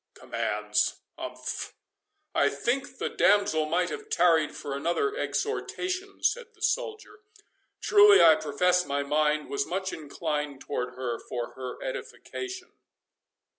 "Commands—umph—I think the damsel might have tarried for another exhortation," said the soldier—"truly, I profess my mind was much inclined toward her for her edification."